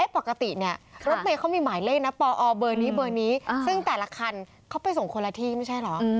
ปกติเนี่ยรถเมย์เขามีหมายเลขนะปอเบอร์นี้เบอร์นี้ซึ่งแต่ละคันเขาไปส่งคนละที่ไม่ใช่เหรอ